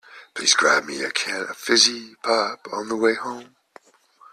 Please grab me a can of fizzy pop on the way home.